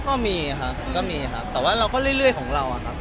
ก็มีค่ะก็มีค่ะแต่ว่าเราก็เรื่อยเรื่อยของเราอะครับ